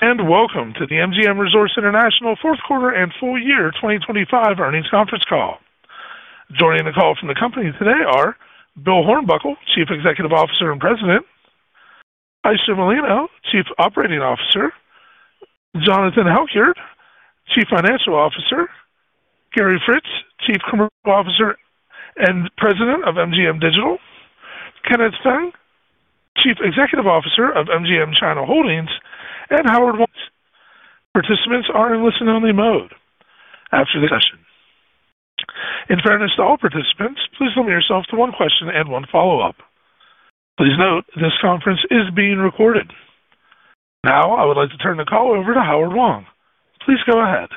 Welcome to the MGM Resorts International fourth quarter and full year 2025 earnings conference call. Joining the call from the company today are Bill Hornbuckle, Chief Executive Officer and President; Ayesha Molino, Chief Operating Officer; Jonathan Halkyard, Chief Financial Officer; Gary Fritz, Chief Commercial Officer and President of MGM Digital; Kenneth Feng, Chief Executive Officer of MGM China Holdings; and Howard Wang. Participants are in listen-only mode after the session. In fairness to all participants, please limit yourself to one question and one follow-up. Please note, this conference is being recorded. Now I would like to turn the call over to Howard Wang. Please go ahead.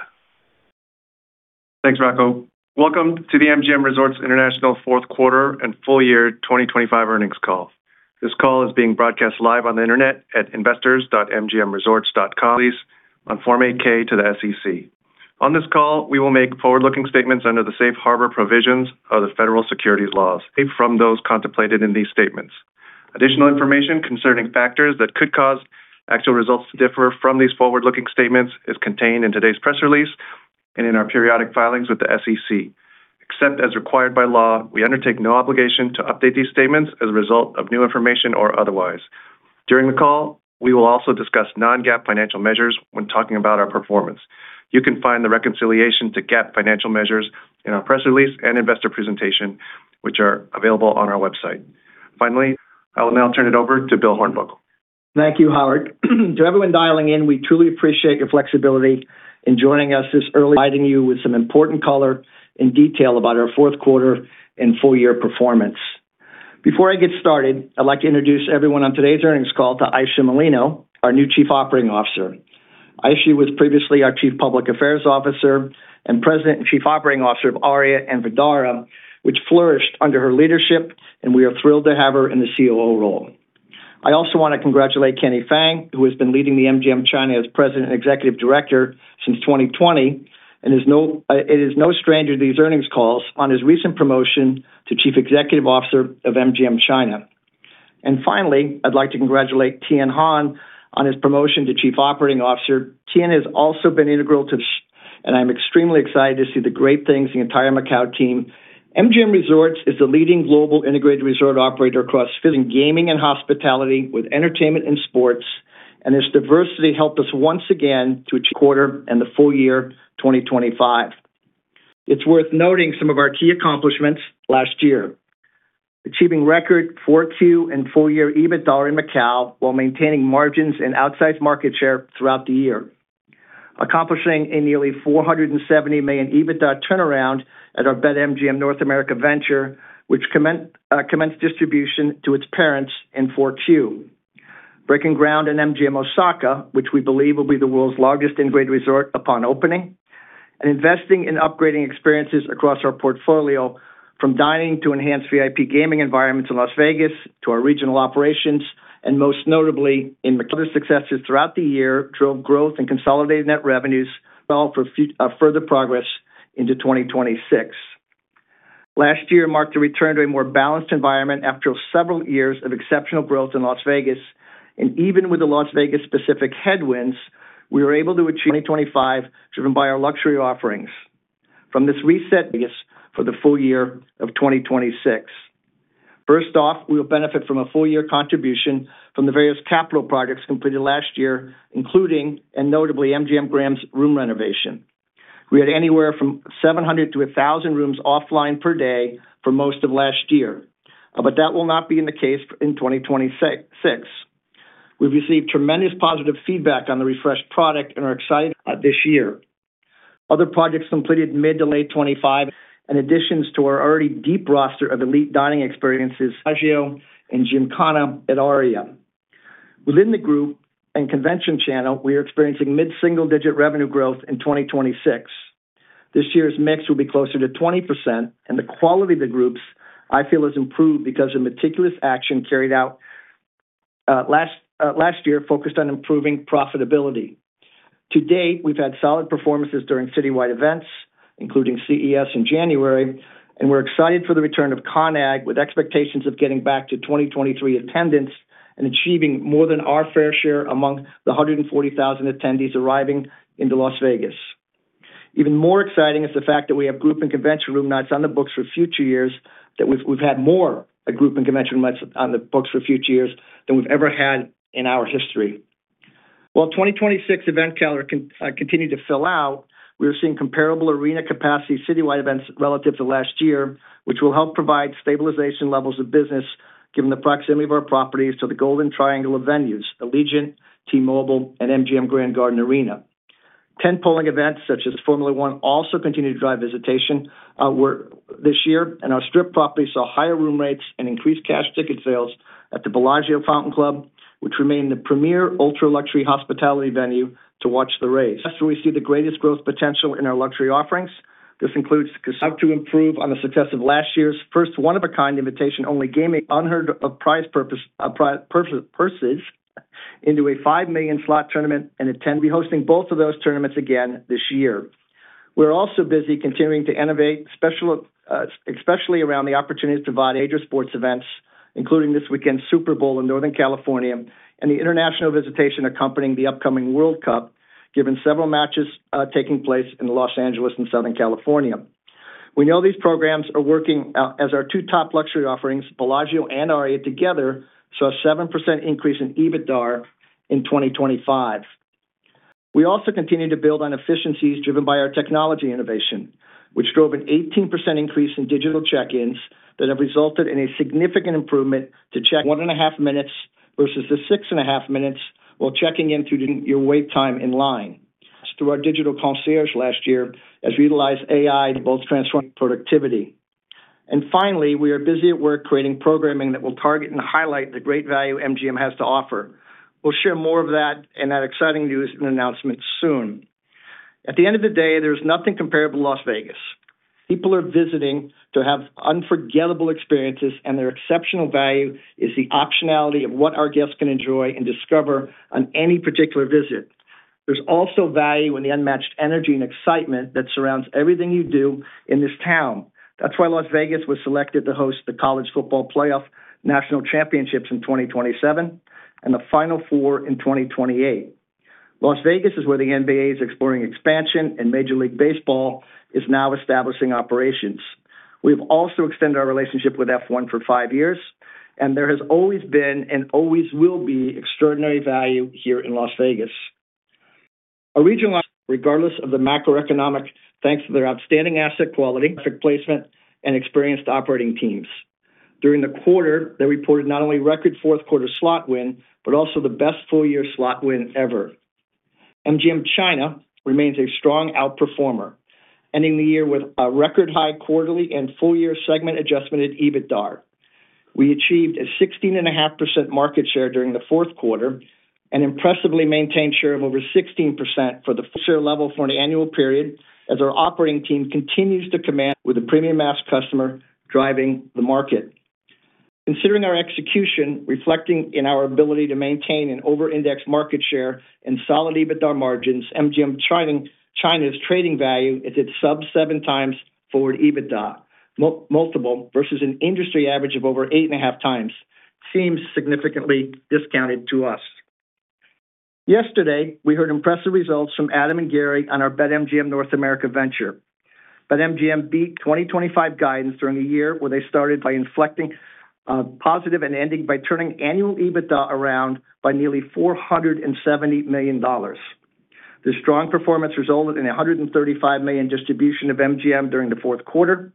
Thanks, Rocco. Welcome to the MGM Resorts International fourth quarter and full year 2025 earnings call. This call is being broadcast live on the internet at investors.mgmresorts.com. Release on Form 8-K to the SEC. On this call, we will make forward-looking statements under the safe harbor provisions of the federal securities laws from those contemplated in these statements. Additional information concerning factors that could cause actual results to differ from these forward-looking statements is contained in today's press release and in our periodic filings with the SEC. Except as required by law, we undertake no obligation to update these statements as a result of new information or otherwise. During the call, we will also discuss non-GAAP financial measures when talking about our performance. You can find the reconciliation to GAAP financial measures in our press release and investor presentation, which are available on our website. Finally, I will now turn it over to Bill Hornbuckle. Thank you, Howard. To everyone dialing in, we truly appreciate your flexibility in joining us this early. Providing you with some important color and detail about our fourth quarter and full-year performance. Before I get started, I'd like to introduce everyone on today's earnings call to Ayesha Molino, our new Chief Operating Officer. Ayesha was previously our Chief Public Affairs Officer and President and Chief Operating Officer of ARIA and Vdara, which flourished under her leadership, and we are thrilled to have her in the COO role. I also want to congratulate Kenneth Feng, who has been leading MGM China as President and Executive Director since 2020, and he is no stranger to these earnings calls on his recent promotion to Chief Executive Officer of MGM China. Finally, I'd like to congratulate Tian Han on his promotion to Chief Operating Officer. Tian has also been integral to this, and I am extremely excited to see the great things the entire Macau team. MGM Resorts is the leading global integrated resort operator across gaming and hospitality with entertainment and sports, and this diversity helped us once again to achieve quarter and the full year 2025. It's worth noting some of our key accomplishments last year: achieving record 4Q in full year EBITDA in Macau while maintaining margins and outsized market share throughout the year; accomplishing a nearly $470 million EBITDA turnaround at our BetMGM North America Venture, which commenced distribution to its parents in 4Q; breaking ground in MGM Osaka, which we believe will be the world's largest integrated resort upon opening; and investing in upgrading experiences across our portfolio, from dining to enhanced VIP gaming environments in Las Vegas to our regional operations, and most notably in. Other successes throughout the year drove growth and consolidated net revenues for further progress into 2026. Last year marked a return to a more balanced environment after several years of exceptional growth in Las Vegas, and even with the Las Vegas-specific headwinds, we were able to achieve 2025 driven by our luxury offerings. From this reset for the full year of 2026. First off, we will benefit from a full year contribution from the various capital projects completed last year, including, and notably, MGM Grand's room renovation. We had anywhere from 700-1,000 rooms offline per day for most of last year, but that will not be the case in 2026. We've received tremendous positive feedback on the refreshed product and are excited this year. Other projects completed mid- to late 2025. In addition to our already deep roster of elite dining experiences. Bellagio and Gymkhana at Aria. Within the group and convention channel, we are experiencing mid-single-digit revenue growth in 2026. This year's mix will be closer to 20%, and the quality of the groups, I feel, has improved because of meticulous action carried out last year focused on improving profitability. To date, we've had solid performances during citywide events, including CES in January, and we're excited for the return of CON/AGG with expectations of getting back to 2023 attendance and achieving more than our fair share among the 140,000 attendees arriving into Las Vegas. Even more exciting is the fact that we have group and convention room nights on the books for future years that we've had more group and convention room nights on the books for future years than we've ever had in our history. While the 2026 event calendar continued to fill out, we were seeing comparable arena capacity citywide events relative to last year, which will help provide stabilization levels of business given the proximity of our properties to The Golden Triangle of venues: Allegiant Stadium, T-Mobile Arena, and MGM Grand Garden Arena. Top-tier events such as Formula 1 also continued to drive visitation this year, and our Strip properties saw higher room rates and increased cash ticket sales at the Bellagio Fountain Club, which remained the premier ultra-luxury hospitality venue to watch the race. We see the greatest growth potential in our luxury offerings. This includes to improve on the success of last year's first one-of-a-kind invitation-only gaming unheard-of prize purses in a $5 million slot tournament and be hosting both of those tournaments again this year. We're also busy continuing to innovate, especially around the opportunities to. Major sports events, including this weekend's Super Bowl in Northern California and the international visitation accompanying the upcoming World Cup, given several matches taking place in Los Angeles and Southern California. We know these programs are working as our 2 top luxury offerings, Bellagio and Aria, together saw a 7% increase in EBITDA in 2025. We also continue to build on efficiencies driven by our technology innovation, which drove an 18% increase in digital check-ins that have resulted in a significant improvement to check-in. 1.5 minutes versus the 6.5 minutes while checking in through. Your wait time in line. Through our digital concierge last year as we utilized AI to both transform productivity. And finally, we are busy at work creating programming that will target and highlight the great value MGM has to offer. We'll share more of that and that exciting news in announcements soon. At the end of the day, there is nothing compared to Las Vegas. People are visiting to have unforgettable experiences, and their exceptional value is the optionality of what our guests can enjoy and discover on any particular visit. There's also value in the unmatched energy and excitement that surrounds everything you do in this town. That's why Las Vegas was selected to host the College Football Playoff National Championships in 2027 and the Final Four in 2028. Las Vegas is where the NBA is exploring expansion, and Major League Baseball is now establishing operations. We have also extended our relationship with F1 for five years, and there has always been and always will be extraordinary value here in Las Vegas. Our regional. Regardless of the macroeconomic, thanks to their outstanding asset quality, placement, and experienced operating teams. During the quarter, they reported not only record fourth quarter slot win but also the best full year slot win ever. MGM China remains a strong outperformer, ending the year with a record high quarterly and full year segment adjusted EBITDA. We achieved a 16.5% market share during the fourth quarter and impressively maintained share of over 16% for the share level for an annual period as our operating team continues to command with a premium mass customer driving the market. Considering our execution, reflecting in our ability to maintain an over-indexed market share and solid EBITDA margins, MGM China's trading value is at sub-7x forward EBITDA multiple versus an industry average of over 8.5x, seems significantly discounted to us. Yesterday, we heard impressive results from Adam and Gary on our BetMGM North America venture. BetMGM beat 2025 guidance during a year where they started by inflecting positive and ending by turning annual EBITDA around by nearly $470 million. This strong performance resulted in a $135 million distribution of MGM during the fourth quarter,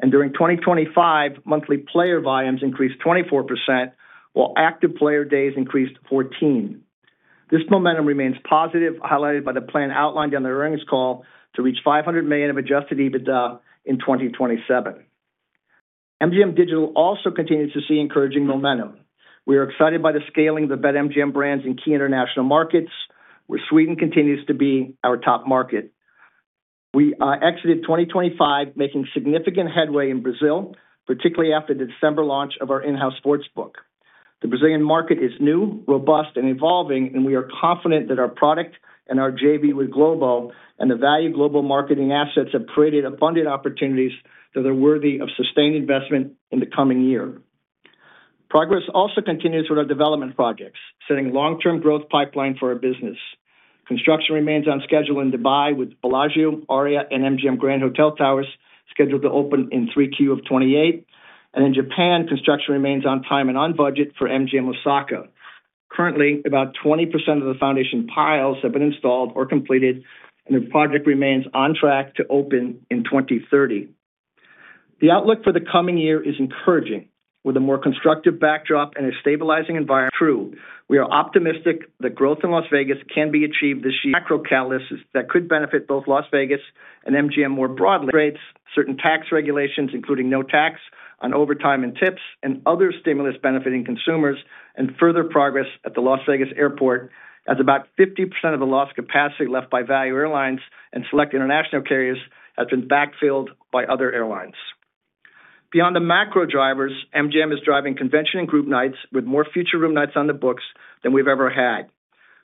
and during 2025, monthly player volumes increased 24% while active player days increased 14%. This momentum remains positive, highlighted by the plan outlined on the earnings call to reach $500 million of Adjusted EBITDA in 2027. MGM Digital also continues to see encouraging momentum. We are excited by the scaling of the BetMGM brands in key international markets, where Sweden continues to be our top market. We exited 2025 making significant headway in Brazil, particularly after the December launch of our in-house sports book. The Brazilian market is new, robust, and evolving, and we are confident that our product and our JV with Globo and the value global marketing assets have created abundant opportunities that are worthy of sustained investment in the coming year. Progress also continues with our development projects, setting a long-term growth pipeline for our business. Construction remains on schedule in Dubai with Bellagio, Aria, and MGM Grand Hotel Towers scheduled to open in 3Q of 2028. And in Japan, construction remains on time and on budget for MGM Osaka. Currently, about 20% of the foundation piles have been installed or completed, and the project remains on track to open in 2030. The outlook for the coming year is encouraging, with a more constructive backdrop and a stabilizing environment. True. We are optimistic that growth in Las Vegas can be achieved this year. Macro catalysts that could benefit both Las Vegas and MGM more broadly. Rates, certain tax regulations including no tax on overtime and tips, and other stimulus benefiting consumers, and further progress at the Las Vegas airport as about 50% of the lost capacity left by Value Airlines and select international carriers has been backfilled by other airlines. Beyond the macro drivers, MGM is driving convention and group nights with more future room nights on the books than we've ever had.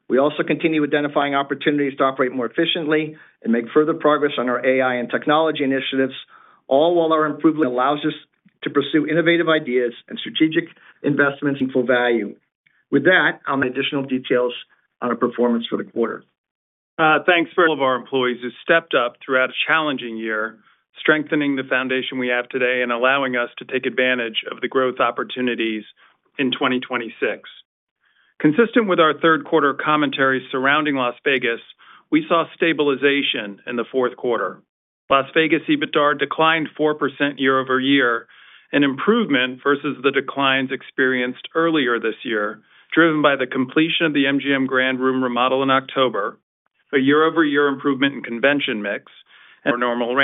We also continue identifying opportunities to operate more efficiently and make further progress on our AI and technology initiatives, all while our improvement allows us to pursue innovative ideas and strategic investments. Full value. With that, I'll make additional details on our performance for the quarter. Thanks for. Of our employees has stepped up throughout a challenging year, strengthening the foundation we have today and allowing us to take advantage of the growth opportunities in 2026. Consistent with our third quarter commentary surrounding Las Vegas, we saw stabilization in the fourth quarter. Las Vegas EBITDA declined 4% year-over-year, an improvement versus the declines experienced earlier this year driven by the completion of the MGM Grand Room remodel in October, a year-over-year improvement in convention mix, and. Normal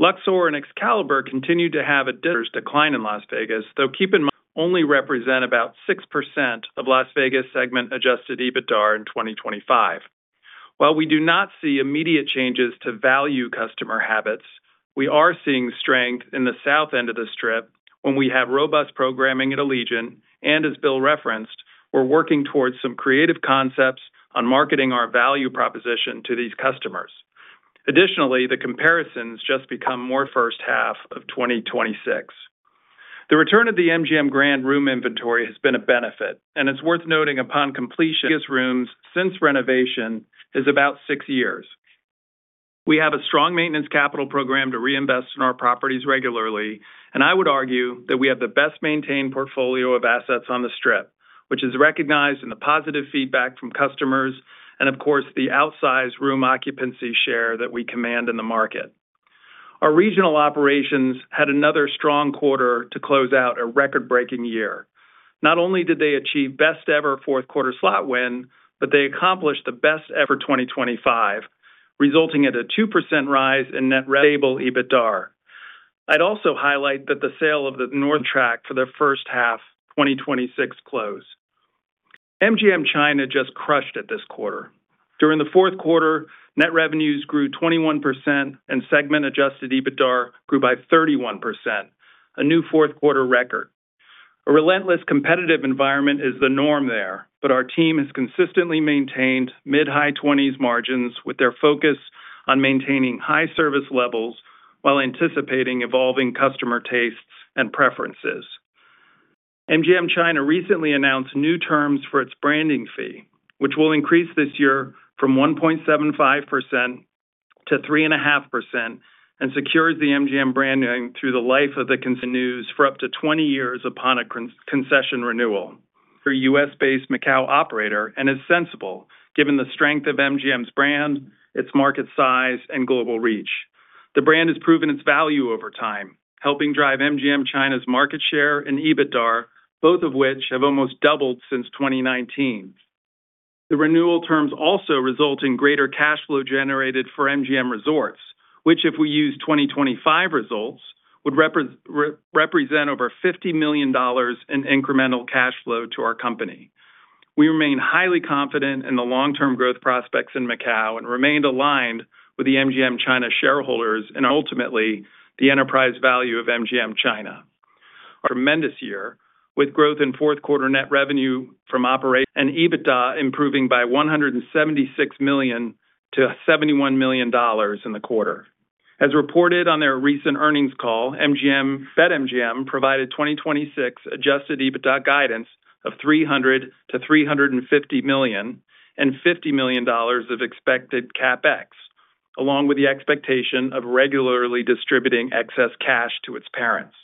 range. Luxor and Excalibur continue to have a. Decline in Las Vegas, though keep in mind. Only represent about 6% of Las Vegas segment adjusted EBITDA in 2025. While we do not see immediate changes to value customer habits, we are seeing strength in the south end of the strip when we have robust programming at Allegiant and, as Bill referenced, we're working towards some creative concepts on marketing our value proposition to these customers. Additionally, the comparisons just become more. First half of 2026. The return of the MGM Grand room inventory has been a benefit, and it's worth noting upon completion. Rooms since renovation is about 6 years. We have a strong maintenance capital program to reinvest in our properties regularly, and I would argue that we have the best maintained portfolio of assets on the strip, which is recognized in the positive feedback from customers and, of course, the outsized room occupancy share that we command in the market. Our regional operations had another strong quarter to close out a record-breaking year. Not only did they achieve best-ever fourth quarter slot win, but they accomplished the best-ever for 2025, resulting in a 2% rise in net stable EBITDA. I'd also highlight that the sale of the Northfield Park for the first half 2026 close. MGM China just crushed it this quarter. During the fourth quarter, net revenues grew 21% and segment adjusted EBITDA grew by 31%, a new fourth quarter record. A relentless competitive environment is the norm there, but our team has consistently maintained mid-high 20s margins with their focus on maintaining high service levels while anticipating evolving customer tastes and preferences. MGM China recently announced new terms for its branding fee, which will increase this year from 1.75% to 3.5% and secures the MGM branding through the life of the concessions for up to 20 years upon a concession renewal. U.S.-based Macau operator and is sensible given the strength of MGM's brand, its market size, and global reach. The brand has proven its value over time, helping drive MGM China's market share and EBITDA, both of which have almost doubled since 2019. The renewal terms also result in greater cash flow generated for MGM Resorts, which, if we use 2025 results, would represent over $50 million in incremental cash flow to our company. We remain highly confident in the long-term growth prospects in Macau and remain aligned with the MGM China shareholders. Ultimately, the enterprise value of MGM China. Tremendous year, with growth in fourth quarter net revenue from operations. EBITDA improving by $176 million to $71 million in the quarter. As reported on their recent earnings call, BetMGM provided 2026 Adjusted EBITDA guidance of $300 million-$350 million and $50 million of expected CapEx, along with the expectation of regularly distributing excess cash to its parents.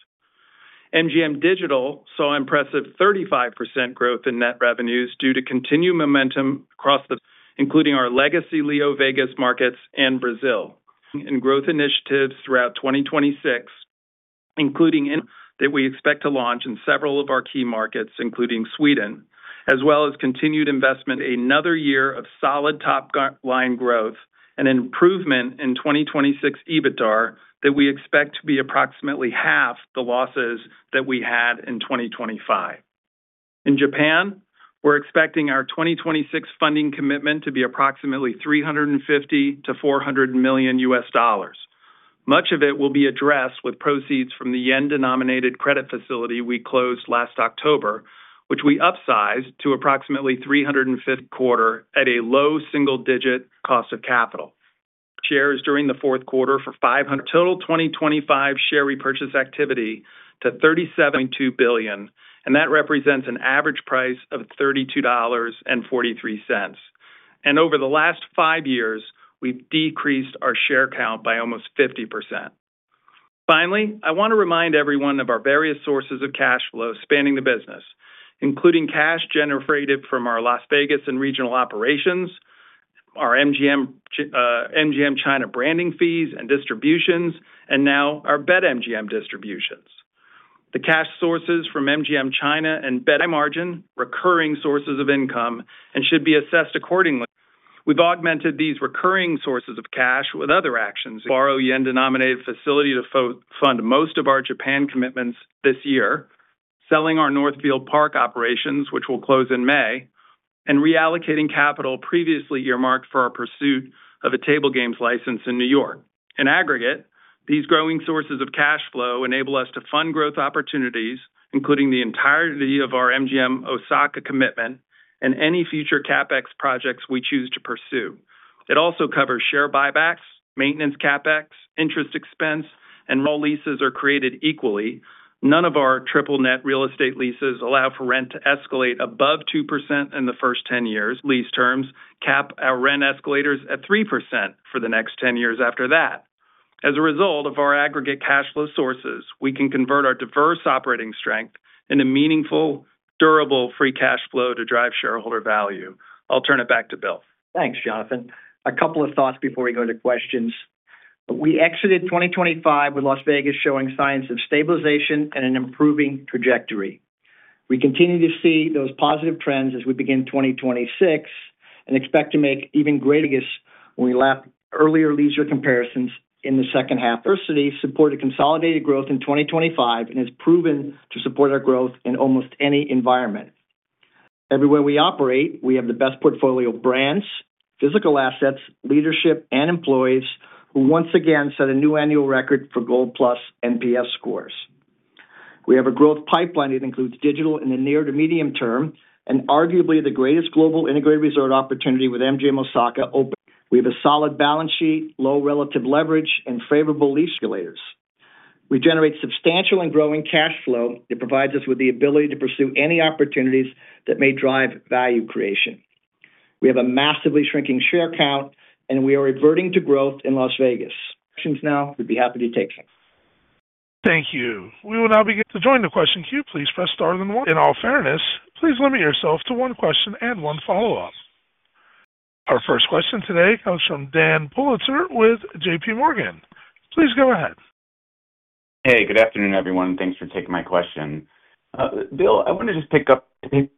MGM Digital saw impressive 35% growth in net revenues due to continued momentum across the, including our legacy LeoVegas markets and Brazil in growth initiatives throughout 2026, including that we expect to launch in several of our key markets, including Sweden, as well as continued investment. Another year of solid top-line growth and improvement in 2026 EBITDA that we expect to be approximately half the losses that we had in 2025. In Japan, we're expecting our 2026 funding commitment to be approximately $350 million-$400 million U.S. dollars. Much of it will be addressed with proceeds from the yen-denominated credit facility we closed last October, which we upsized to approximately $350. Quarter at a low single-digit cost of capital. [We repurchased] shares during the fourth quarter for $500. [Bringing] total 2025 share repurchase activity to $37.2 billion, and that represents an average price of $32.43. And over the last five years, we've decreased our share count by almost 50%. Finally, I want to remind everyone of our various sources of cash flow spanning the business, including cash generated from our Las Vegas and regional operations, our MGM China branding fees and distributions, and now our BetMGM distributions. The cash sources from MGM China and BetMGM, recurring sources of income, and should be assessed accordingly. We've augmented these recurring sources of cash with other actions. Borrow yen-denominated facility to fund most of our Japan commitments this year, selling our Northfield Park operations, which will close in May, and reallocating capital previously earmarked for our pursuit of a table games license in New York. In aggregate, these growing sources of cash flow enable us to fund growth opportunities, including the entirety of our MGM Osaka commitment and any future CapEx projects we choose to pursue. It also covers share buybacks, maintenance CapEx, interest expense, and. Leases are created equally, none of our triple-net real estate leases allow for rent to escalate above 2% in the first 10 years. Lease terms cap our rent escalators at 3% for the next 10 years after that. As a result of our aggregate cash flow sources, we can convert our diverse operating strength into meaningful, durable free cash flow to drive shareholder value. I'll turn it back to Bill. Thanks, Jonathan. A couple of thoughts before we go to questions. We exited 2025 with Las Vegas showing signs of stabilization and an improving trajectory. We continue to see those positive trends as we begin 2026 and expect to make even greater when we lapped earlier leisure comparisons in the second half. Our industry supported consolidated growth in 2025 and has proven to support our growth in almost any environment. Everywhere we operate, we have the best portfolio of brands, physical assets, leadership, and employees who once again set a new annual record for Gold Plus NPS scores. We have a growth pipeline that includes digital in the near to medium term and arguably the greatest global integrated resort opportunity with MGM Osaka open. We have a solid balance sheet, low relative leverage, and favorable lease escalators. We generate substantial and growing cash flow that provides us with the ability to pursue any opportunities that may drive value creation. We have a massively shrinking share count, and we are reverting to growth in Las Vegas. Now, we'd be happy to take some. Thank you. We will now begin to join the question queue. Please press star one. In all fairness, please limit yourself to one question and one follow-up. Our first question today comes from Dan Politzer with JPMorgan. Please go ahead. Hey, good afternoon, everyone. Thanks for taking my question. Bill, I want to just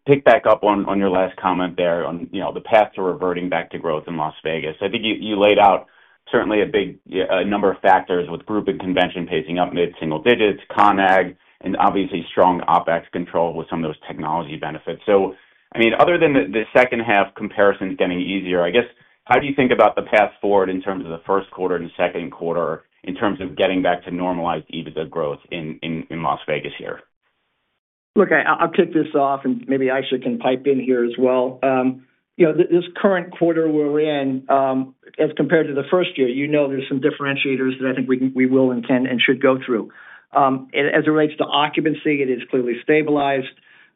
pick back up on your last comment there on the path to reverting back to growth in Las Vegas. I think you laid out certainly a big number of factors with group and convention pacing up mid-single digits, CON/AGG, and obviously strong OpEx control with some of those technology benefits. So, I mean, other than the second half comparisons getting easier, I guess, how do you think about the path forward in terms of the first quarter and second quarter in terms of getting back to normalized EBITDA growth in Las Vegas here? Look, I'll kick this off, and maybe Ayesha can pipe in here as well. This current quarter where we're in, as compared to the first year, you know there's some differentiators that I think we will and can and should go through. As it relates to occupancy, it is clearly stabilized.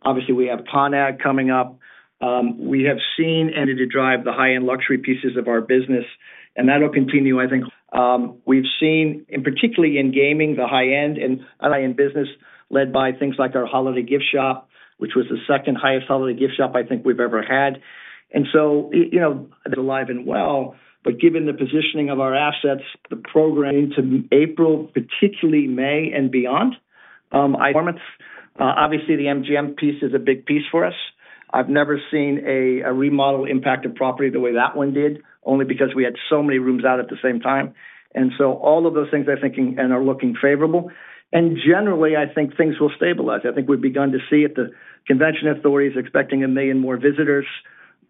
Obviously, we have CON/AGG coming up. We have seen. To drive the high-end luxury pieces of our business, and that'll continue, I think. We've seen, particularly in gaming, the high-end and. In business led by things like our Holiday Gift Shoppe, which was the second highest Holiday Gift Shoppe I think we've ever had. And so. Alive and well, but given the positioning of our assets, the program. Into April, particularly May and beyond, I. Performance. Obviously, the MGM piece is a big piece for us. I've never seen a remodel impact on property the way that one did, only because we had so many rooms out at the same time. And so all of those things, I think, are looking favorable. And generally, I think things will stabilize. I think we've begun to see it. The convention authority is expecting 1 million more visitors.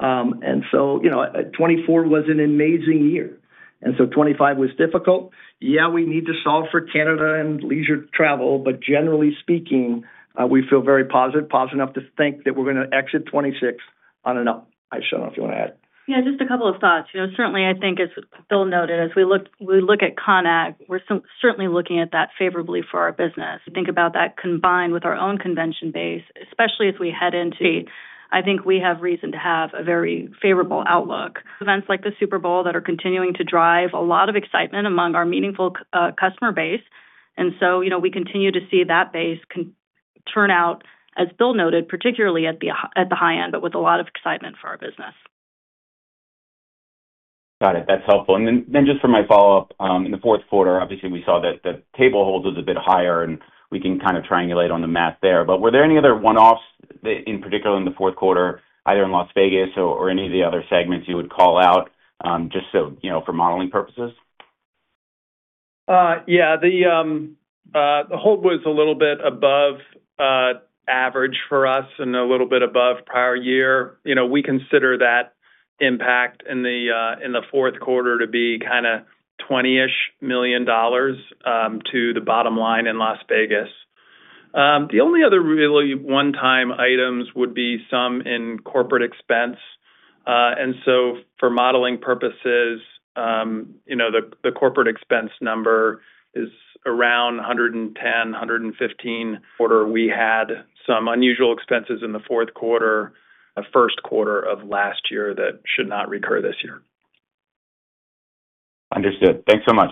And so 2024 was an amazing year. And so 2025 was difficult. Yeah, we need to solve for Canada and leisure travel, but generally speaking, we feel very positive, positive enough to think that we're going to exit 2026 on an up. Ayesha, I don't know if you want to add. Yeah, just a couple of thoughts. Certainly, I think, as Bill noted, as we look at CON/AGG, we're certainly looking at that favorably for our business. Think about that combined with our own convention base, especially as we head into. I think we have reason to have a very favorable outlook. Events like the Super Bowl that are continuing to drive a lot of excitement among our meaningful customer base. And so we continue to see that base turn out, as Bill noted, particularly at the high end, but with a lot of excitement for our business. Got it. That's helpful. And then just for my follow-up, in the fourth quarter, obviously, we saw that the table holds was a bit higher, and we can kind of triangulate on the math there. But were there any other one-offs, in particular in the fourth quarter, either in Las Vegas or any of the other segments, you would call out just for modeling purposes? Yeah, the hold was a little bit above average for us and a little bit above prior year. We consider that impact in the fourth quarter to be kind of $20-ish million to the bottom line in Las Vegas. The only other really one-time items would be some in corporate expense. So for modeling purposes, the corporate expense number is around $110-$115. We had some unusual expenses in the fourth quarter first quarter of last year that should not recur this year. Understood. Thanks so much.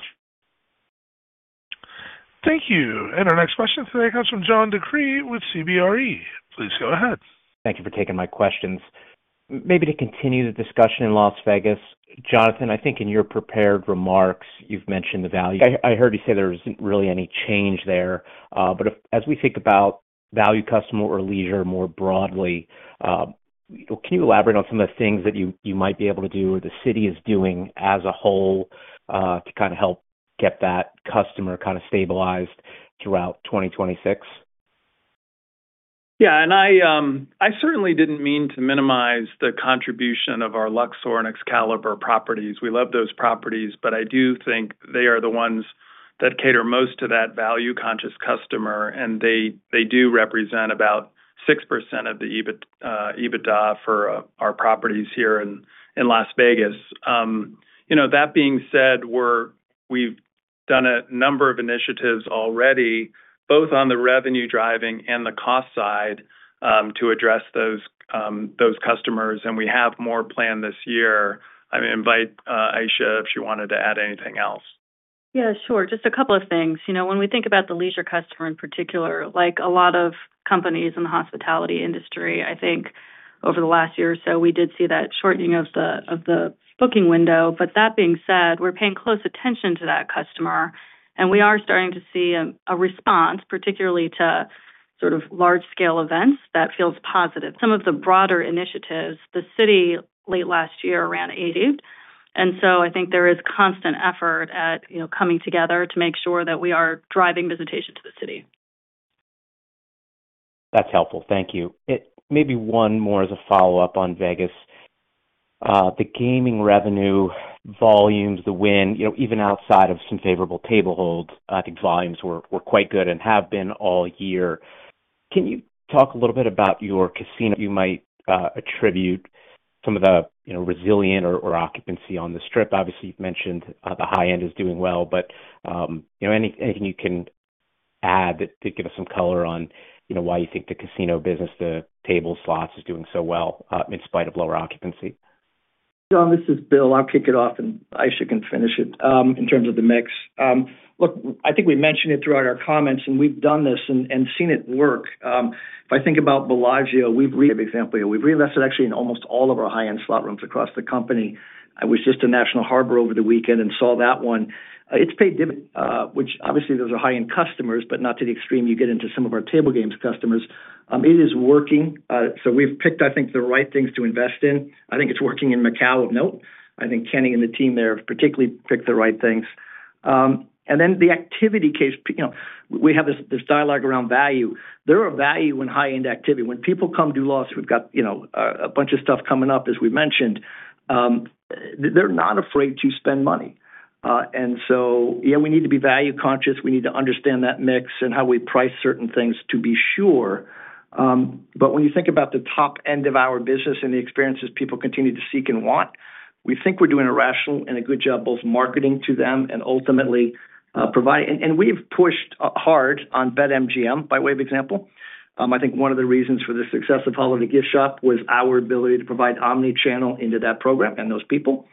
Thank you. Our next question today comes from John DeCree with CBRE. Please go ahead. Thank you for taking my questions. Maybe to continue the discussion in Las Vegas, Jonathan, I think in your prepared remarks, you've mentioned the value. I heard you say there wasn't really any change there. But as we think about value customer or leisure more broadly, can you elaborate on some of the things that you might be able to do or the city is doing as a whole to kind of help get that customer kind of stabilized throughout 2026? Yeah, and I certainly didn't mean to minimize the contribution of our Luxor and Excalibur properties. We love those properties, but I do think they are the ones that cater most to that value-conscious customer, and they do represent about 6% of the EBITDA for our properties here in Las Vegas. That being said, we've done a number of initiatives already, both on the revenue-driving and the cost side, to address those customers, and we have more planned this year. I invite Ayesha if she wanted to add anything else. Yeah, sure. Just a couple of things. When we think about the leisure customer in particular, like a lot of companies in the hospitality industry, I think over the last year or so, we did see that shortening of the booking window. But that being said, we're paying close attention to that customer, and we are starting to see a response, particularly to sort of large-scale events, that feels positive. Some of the broader initiatives, the city late last year ran 80. And so I think there is constant effort at coming together to make sure that we are driving visitation to the city. That's helpful. Thank you. Maybe one more as a follow-up on Vegas. The gaming revenue volumes, the win, even outside of some favorable table holds, I think volumes were quite good and have been all year. Can you talk a little bit about your casino resiliency in occupancy on the Strip? Obviously, you've mentioned the high end is doing well, but anything you can add to give us some color on why you think the casino business, the table slots, is doing so well in spite of lower occupancy? John, this is Bill. I'll kick it off, and Ayesha can finish it in terms of the mix. Look, I think we mentioned it throughout our comments, and we've done this and seen it work. If I think about Bellagio, for example, we've reinvested actually in almost all of our high-end slot rooms across the company. I was just in National Harbor over the weekend and saw that one. It's paid dividends, which obviously, those are high-end customers, but not to the extreme you get into some of our table games customers. It is working. So we've picked, I think, the right things to invest in. I think it's working in Macau, of note. I think Kenny and the team there have particularly picked the right things. And then the activity case, we have this dialogue around value. There are value in high-end activity. When people come to Las Vegas, we've got a bunch of stuff coming up, as we mentioned. They're not afraid to spend money. And so, yeah, we need to be value-conscious. We need to understand that mix and how we price certain things to be sure. But when you think about the top end of our business and the experiences people continue to seek and want, we think we're doing a rational and a good job both marketing to them and ultimately providing and we've pushed hard on BetMGM, by way of example. I think one of the reasons for the success of Holiday Gift Shoppe was our ability to provide omnichannel into that program and those people.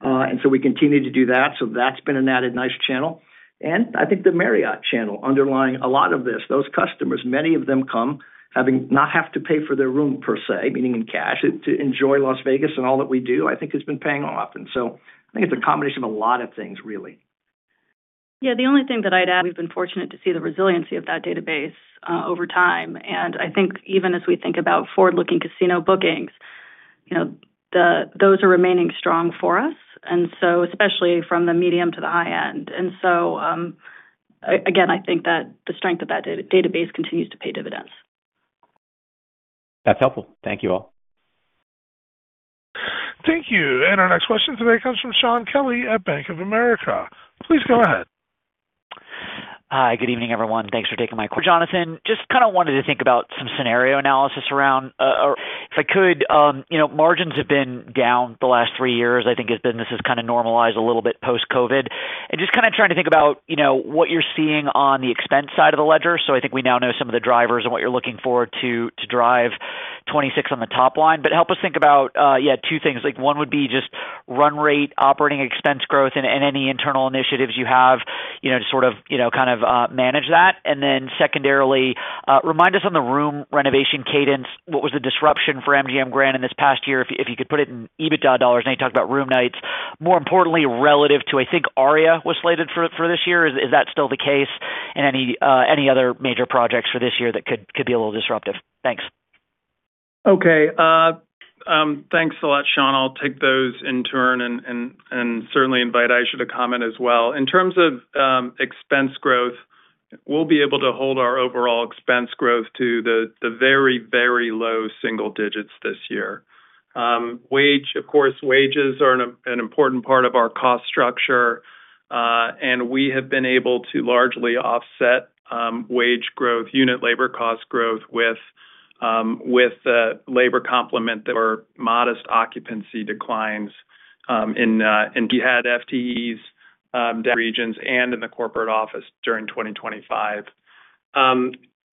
And so we continue to do that. So that's been an added nice channel. I think the Marriott channel underlying a lot of this, those customers, many of them come having not have to pay for their room per se, meaning in cash. To enjoy Las Vegas and all that we do, I think, has been paying off. I think it's a combination of a lot of things, really. Yeah, the only thing that I'd add, we've been fortunate to see the resiliency of that database over time. I think even as we think about forward-looking casino bookings, those are remaining strong for us, and so especially from the medium to the high end. Again, I think that the strength of that database continues to pay dividends. That's helpful. Thank you all. Thank you. Our next question today comes from Shaun Kelley at Bank of America. Please go ahead. Hi, good evening, everyone. Thanks for taking my call. Jonathan, just kind of wanted to think about some scenario analysis around if I could. Margins have been down the last three years. I think this has kind of normalized a little bit post-COVID. And just kind of trying to think about what you're seeing on the expense side of the ledger. So I think we now know some of the drivers and what you're looking forward to drive 2026 on the top line. But help us think about, yeah, two things. One would be just run rate, operating expense growth, and any internal initiatives you have to sort of kind of manage that. And then secondarily, remind us on the room renovation cadence, what was the disruption for MGM Grand in this past year? If you could put it in EBITDA dollars, and you talked about room nights. More importantly, relative to, I think Aria was slated for this year. Is that still the case? And any other major projects for this year that could be a little disruptive? Thanks. Okay. Thanks a lot, Shaun. I'll take those in turn and certainly invite Ayesha to comment as well. In terms of expense growth, we'll be able to hold our overall expense growth to the very, very low single digits this year. Of course, wages are an important part of our cost structure, and we have been able to largely offset wage growth, unit labor cost growth, with the labor complement or modest occupancy declines. Had FTEs down in regions and in the corporate office during 2025.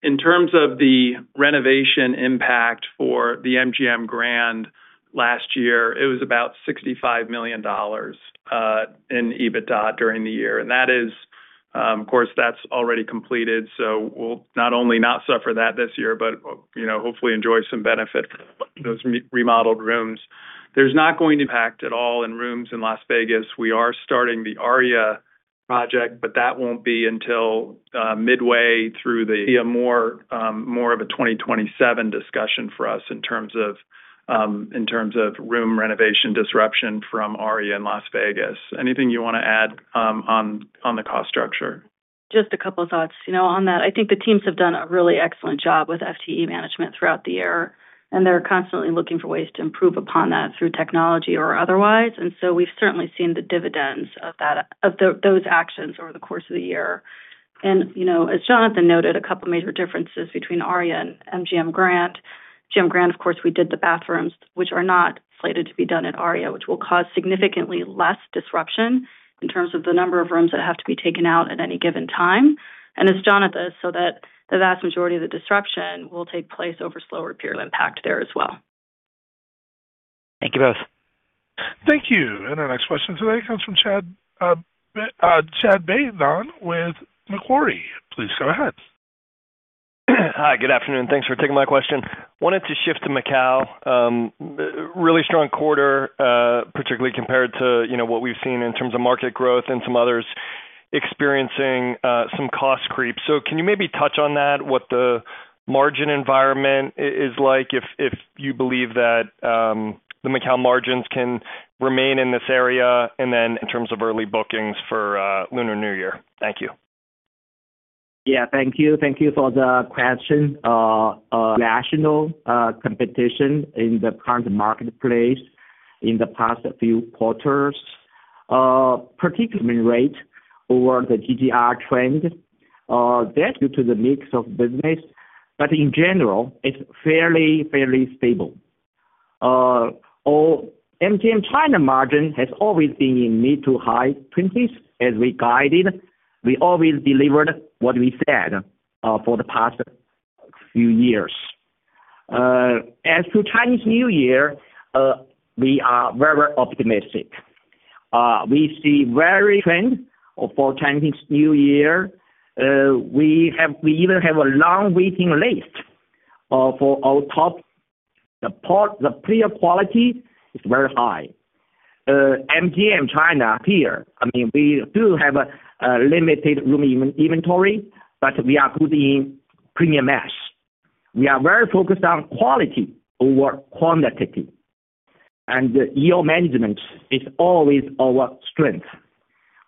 In terms of the renovation impact for the MGM Grand last year, it was about $65 million in EBITDA during the year. And of course, that's already completed. So we'll not only not suffer that this year, but hopefully enjoy some benefit from those remodeled rooms. There's not going to be impact at all in rooms in Las Vegas. We are starting the ARIA project, but that won't be until midway through the. A more of a 2027 discussion for us in terms of room renovation disruption from ARIA in Las Vegas. Anything you want to add on the cost structure? Just a couple of thoughts on that. I think the teams have done a really excellent job with FTE management throughout the year, and they're constantly looking for ways to improve upon that through technology or otherwise. And so we've certainly seen the dividends of those actions over the course of the year. And as Jonathan noted, a couple of major differences between Aria and MGM Grand. MGM Grand, of course, we did the bathrooms, which are not slated to be done at Aria, which will cause significantly less disruption in terms of the number of rooms that have to be taken out at any given time. And as Jonathan said, the vast majority of the disruption will take place over slower period. Impact there as well. Thank you both. Thank you. Our next question today comes from Chad Beynon with Macquarie. Please go ahead. Hi, good afternoon. Thanks for taking my question. Wanted to shift to Macau. Really strong quarter, particularly compared to what we've seen in terms of market growth and some others experiencing some cost creep. So can you maybe touch on that, what the margin environment is like, if you believe that the Macau margins can remain in this area, and then in terms of early bookings for Lunar New Year. Thank you. Yeah, thank you. Thank you for the question. Rational competition in the current marketplace in the past few quarters, particularly. Comp rate over the ADR trend. That's due to the mix of business. But in general, it's fairly, fairly stable. MGM China margin has always been in mid- to high-20s as we guided. We always delivered what we said for the past few years. As to Chinese New Year, we are very, very optimistic. We see very strong trend for Chinese New Year. We even have a long waiting list for our top players. The player quality is very high. MGM China here, I mean, we do have a limited room inventory, but we are putting in premium mix. We are very focused on quality over quantity. And yield management is always our strength.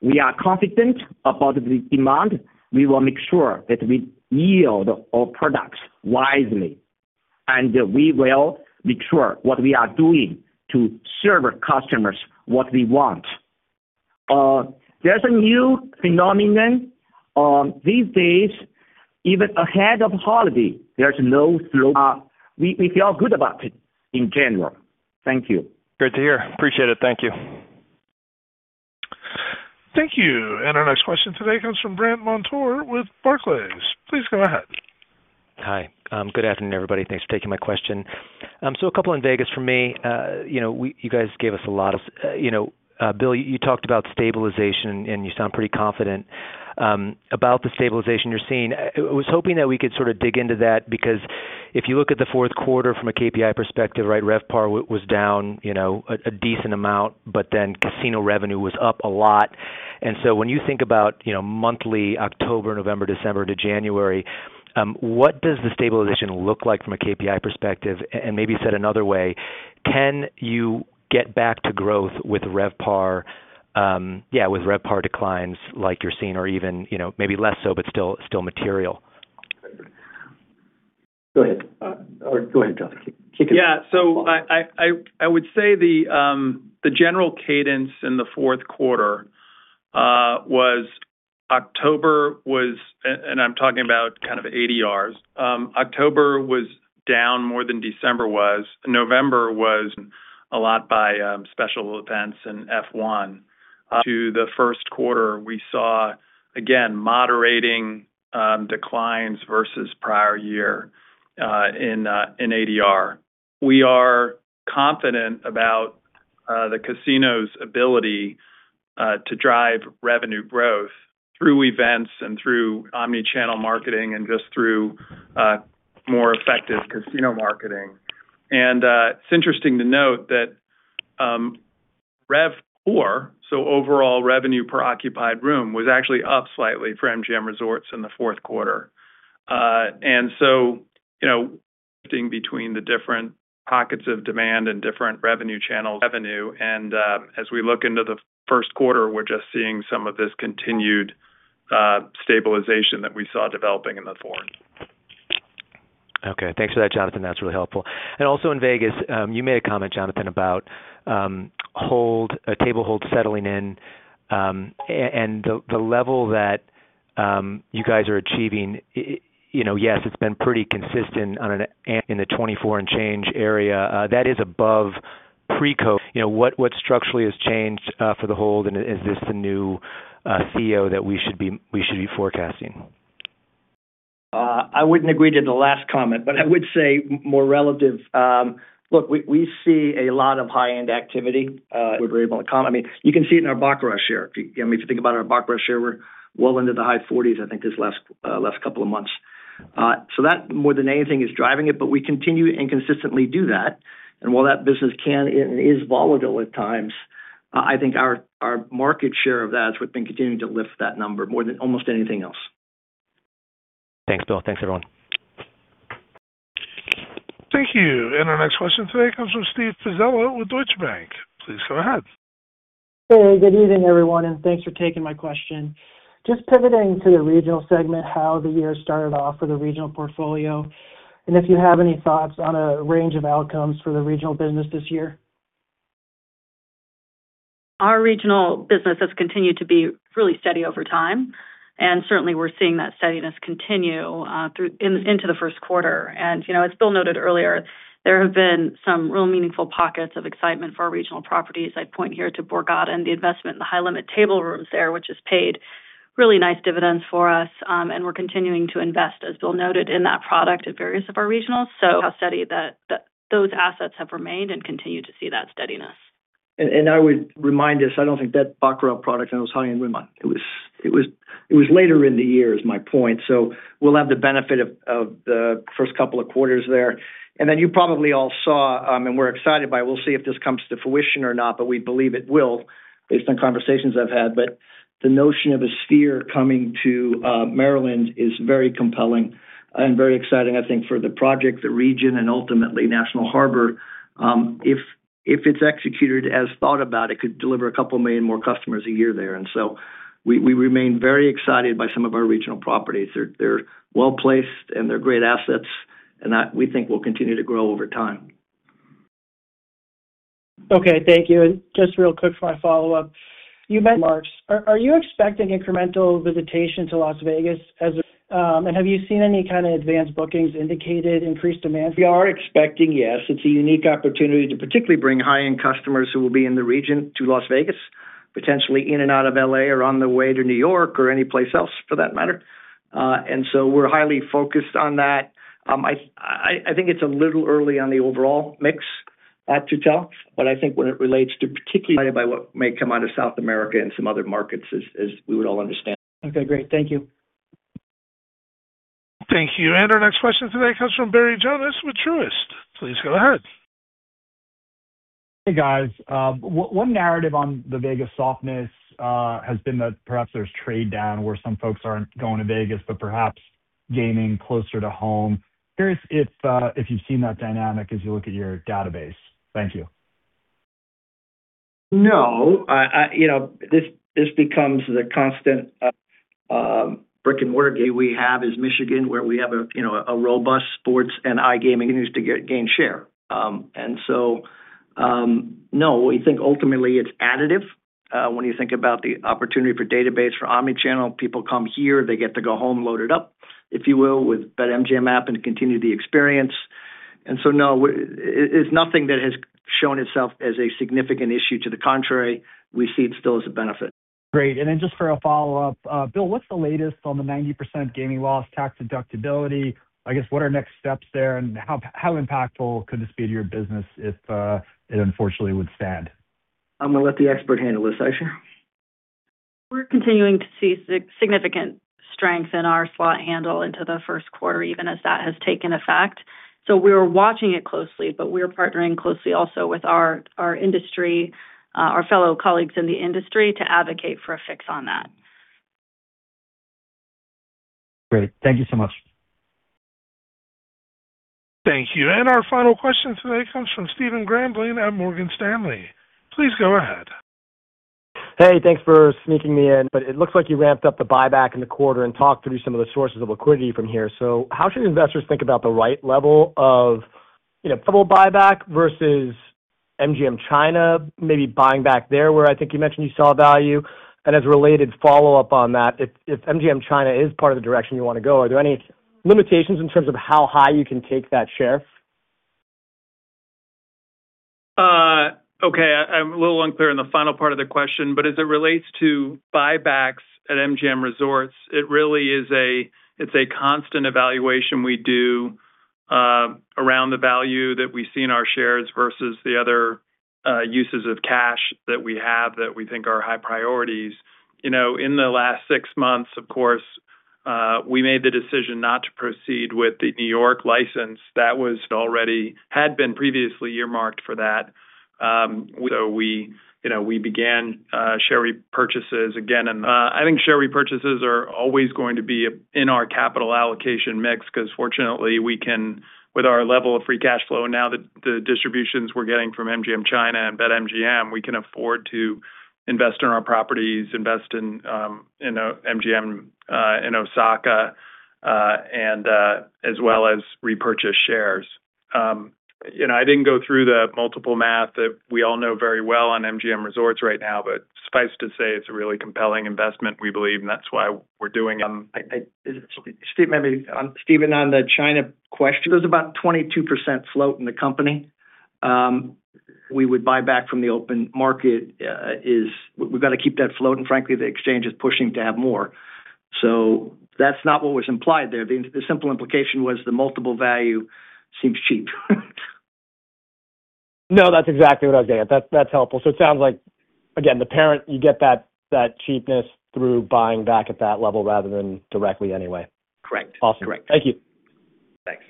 We are confident about the demand. We will make sure that we yield our products wisely, and we will make sure what we are doing to serve customers, what we want. There's a new phenomenon these days. Even ahead of holiday, there's no slow. We feel good about it in general. Thank you. Good to hear. Appreciate it. Thank you. Thank you. Our next question today comes from Brandt Montour with Barclays. Please go ahead. Hi. Good afternoon, everybody. Thanks for taking my question. So a couple in Vegas from me. You guys gave us a lot. Bill, you talked about stabilization, and you sound pretty confident about the stabilization you're seeing. I was hoping that we could sort of dig into that because if you look at the fourth quarter from a KPI perspective, right, RevPAR was down a decent amount, but then casino revenue was up a lot. And so when you think about monthly October, November, December to January, what does the stabilization look like from a KPI perspective? And maybe said another way, can you get back to growth with RevPAR declines like you're seeing or even maybe less so, but still material? Go ahead. Or go ahead, John. Kick it. Yeah. So I would say the general cadence in the fourth quarter was October was and I'm talking about kind of ADRs. October was down more than December was. November was a lot by special events and F1. Into the first quarter, we saw, again, moderating declines versus prior year in ADR. We are confident about the casino's ability to drive revenue growth through events and through omnichannel marketing and just through more effective casino marketing. And it's interesting to note that RevPOR, so overall revenue per occupied room, was actually up slightly for MGM Resorts in the fourth quarter. And so shifting between the different pockets of demand and different revenue channels. Revenue. And as we look into the first quarter, we're just seeing some of this continued stabilization that we saw developing in the fourth. Okay. Thanks for that, Jonathan. That's really helpful. And also in Vegas, you made a comment, Jonathan, about table holds settling in and the level that you guys are achieving. Yes, it's been pretty consistent. In the 24% and change area. That is above pre-COVID. What structurally has changed for the hold, and is this the new normal that we should be forecasting? I wouldn't agree to the last comment, but I would say more relative. Look, we see a lot of high-end activity. We're able to come. I mean, you can see it in our book rush here. I mean, if you think about our book rush here, we're well into the high 40s, I think, this last couple of months. So that, more than anything, is driving it. But we continue and consistently do that. And while that business can and is volatile at times, I think our market share of that is what's been continuing to lift that number more than almost anything else. Thanks, Bill. Thanks, everyone. Thank you. Our next question today comes from Steve Pizzella with Deutsche Bank. Please go ahead. Hey, good evening, everyone, and thanks for taking my question. Just pivoting to the regional segment, how the year started off for the regional portfolio, and if you have any thoughts on a range of outcomes for the regional business this year? Our regional business has continued to be really steady over time, and certainly, we're seeing that steadiness continue into the first quarter. As Bill noted earlier, there have been some real meaningful pockets of excitement for our regional properties. I'd point here to Borgata and the investment in the high-limit table rooms there, which has paid really nice dividends for us. We're continuing to invest, as Bill noted, in that product at various of our regionals. So how steady that those assets have remained and continue to see that steadiness. I would remind us, I don't think that buck rub product and it was high in Wiman. It was later in the year, is my point. We'll have the benefit of the first couple of quarters there. You probably all saw, and we're excited by it. We'll see if this comes to fruition or not, but we believe it will based on conversations I've had. The notion of a Sphere coming to Maryland is very compelling and very exciting, I think, for the project, the region, and ultimately, National Harbor. If it's executed as thought about, it could deliver a couple million more customers a year there. We remain very excited by some of our regional properties. They're well-placed, and they're great assets, and we think will continue to grow over time. Okay. Thank you. And just real quick for my follow-up, you mentioned remarks. Are you expecting incremental visitation to Las Vegas as? And have you seen any kind of advanced bookings indicated increased demand? We are expecting, yes. It's a unique opportunity to particularly bring high-end customers who will be in the region to Las Vegas, potentially in and out of L.A. or on the way to New York or anyplace else for that matter. And so we're highly focused on that. I think it's a little early on the overall mix to tell, but I think when it relates to particularly by what may come out of South America and some other markets, as we would all understand. Okay. Great. Thank you. Thank you. And our next question today comes from Barry Jonas with Truist. Please go ahead. Hey, guys. One narrative on the Vegas softness has been that perhaps there's trade down where some folks aren't going to Vegas but perhaps gaming closer to home. Curious if you've seen that dynamic as you look at your database. Thank you. No. This becomes the constant brick-and-mortar. We have in Michigan where we have a robust sports and iGaming continues to gain share. And so no, we think ultimately it's additive when you think about the opportunity for database for omnichannel. People come here. They get to go home loaded up, if you will, with better MGM app and continue the experience. And so no, it's nothing that has shown itself as a significant issue. To the contrary, we see it still as a benefit. Great. And then just for a follow-up, Bill, what's the latest on the 90% gaming loss tax deductibility? I guess, what are next steps there, and how impactful could this be to your business if it unfortunately would stand? I'm going to let the expert handle this. Ayesha? We're continuing to see significant strength in our slot handle into the first quarter, even as that has taken effect. We are watching it closely, but we are partnering closely also with our industry, our fellow colleagues in the industry to advocate for a fix on that. Great. Thank you so much. Thank you. And our final question today comes from Stephen Grambling at Morgan Stanley. Please go ahead. Hey, thanks for sneaking me in. It looks like you ramped up the buyback in the quarter and talked through some of the sources of liquidity from here. How should investors think about the right level of buyback versus MGM China maybe buying back there where I think you mentioned you saw value? As a related follow-up on that, if MGM China is part of the direction you want to go, are there any limitations in terms of how high you can take that share? Okay. I'm a little unclear on the final part of the question, but as it relates to buybacks at MGM Resorts, it really is a constant evaluation we do around the value that we see in our shares versus the other uses of cash that we have that we think are high priorities. In the last six months, of course, we made the decision not to proceed with the New York license that was already earmarked for that. So we began share repurchases again. I think share repurchases are always going to be in our capital allocation mix because, fortunately, with our level of free cash flow and now the distributions we're getting from MGM China and BetMGM, we can afford to invest in our properties, invest in MGM Osaka, as well as repurchase shares. I didn't go through the multiple math that we all know very well on MGM Resorts right now, but suffice to say, it's a really compelling investment, we believe, and that's why we're doing. Steve, maybe Stephen, on the China question. There's about a 22% float in the company. We would buy back from the open market. We've got to keep that float, and frankly, the exchange is pushing to have more. So that's not what was implied there. The simple implication was the multiple value seems cheap. No, that's exactly what I was getting at. That's helpful. So it sounds like, again, you get that cheapness through buying back at that level rather than directly anyway. Correct. Correct. Awesome. Thank you. Thanks.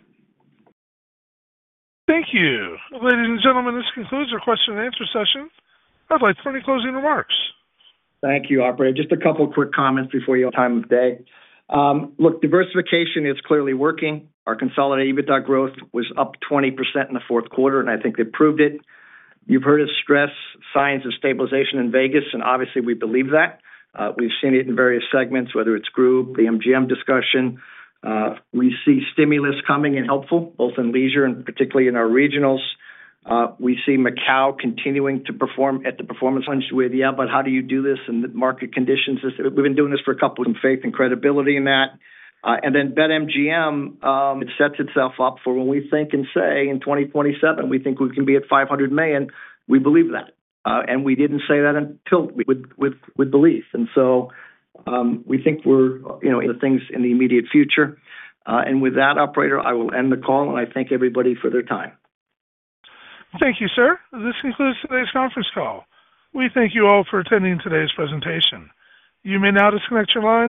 Thank you. Ladies and gentlemen, this concludes our question and answer session. I'd like some closing remarks. Thank you, Operator. Just a couple of quick comments before you. Time of day. Look, diversification is clearly working. Our consolidated EBITDA growth was up 20% in the fourth quarter, and I think they proved it. You've heard of strong signs of stabilization in Vegas, and obviously, we believe that. We've seen it in various segments, whether it's group, the MGM discussion. We see stimulus coming and helpful, both in leisure and particularly in our regionals. We see Macau continuing to perform at the performance. With, "Yeah, but how do you do this? And the market conditions?" We've been doing this for a couple of. Some faith and credibility in that. And then BetMGM. It sets itself up for when we think and say, "In 2027, we think we can be at $500 million." We believe that. And we didn't say that until. With belief. And so we think we're things in the immediate future. With that, Operator, I will end the call, and I thank everybody for their time. Thank you, sir. This concludes today's conference call. We thank you all for attending today's presentation. You may now disconnect your line.